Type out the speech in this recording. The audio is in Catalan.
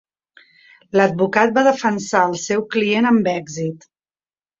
L'advocat va defensar el seu client amb èxit.